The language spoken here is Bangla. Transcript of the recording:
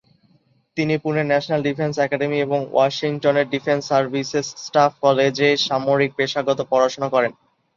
তিনি পুনের ন্যাশনাল ডিফেন্স একাডেমী এবং ওয়েলিংটনের ডিফেন্স সার্ভিসেস স্টাফ কলেজে সামরিক পেশাগত পড়াশোনা করেন।